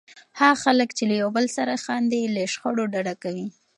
هغه خلک چې له یو بل سره خاندي، له شخړو ډډه کوي.